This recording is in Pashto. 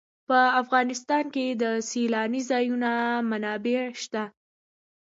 په افغانستان کې د سیلانی ځایونه منابع شته.